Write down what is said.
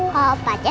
kalau om bacan